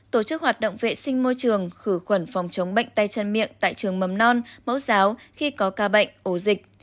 tổ chức hoạt động vệ sinh môi trường khử khuẩn phòng chống bệnh tay chân miệng tại trường mầm non mẫu giáo khi có ca bệnh ổ dịch